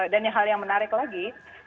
dan hal yang menarik lagi